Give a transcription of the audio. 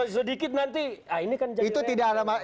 cipanya sedikit nanti